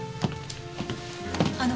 あの。